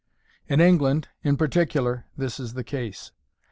In England, in particular, is this the case.